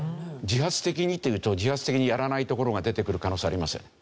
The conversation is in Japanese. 自発的にっていうと自発的にやらないところが出てくる可能性ありますよ。